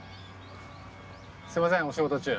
すみませんお仕事中。